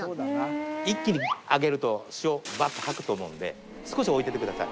一気に上げると潮バッと吐くと思うんで少し置いててください